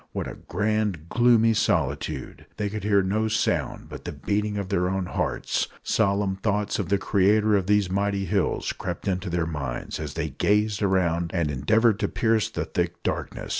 What a grand, gloomy solitude! They could hear no sound but the beating of their own hearts. Solemn thoughts of the Creator of these mighty hills crept into their minds as they gazed around and endeavoured to pierce the thick darkness.